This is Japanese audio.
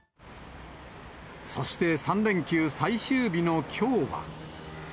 そして３連休最終日のきょうは。